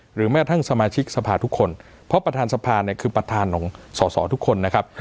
แม้ทั้งสมาชิกสภาทุกคนเพราะประธานสภาเนี่ยคือประธานของสอสอทุกคนนะครับ